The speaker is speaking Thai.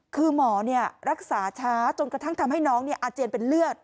คือหมอรักษาช้าจนกระทั่งทำให้น้องอาเจียนเป็นเลือด